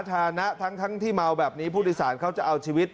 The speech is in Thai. ถ้าเจอแท็กซี่แบบนี้นะ